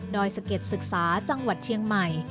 สะเก็ดศึกษาจังหวัดเชียงใหม่